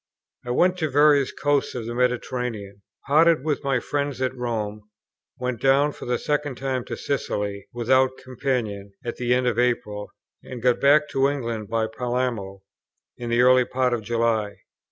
I went to various coasts of the Mediterranean; parted with my friends at Rome; went down for the second time to Sicily without companion, at the end of April; and got back to England by Palermo in the early part of July.